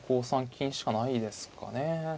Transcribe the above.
金しかないですかね。